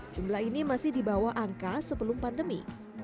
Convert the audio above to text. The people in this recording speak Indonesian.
jumlah ini masih dibawa angka sebelum pandemi